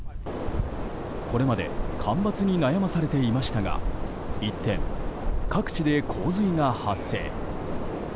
これまで干ばつに悩まされていましたが一転、各地で洪水が発生。